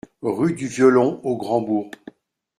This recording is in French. Rue du Violon au Grand-Bourg